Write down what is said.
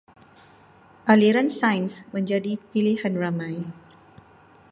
Aliran Sains menjadi pilihan ramai.